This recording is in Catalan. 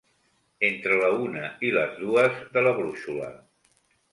Entre la una i les dues de la brúixola.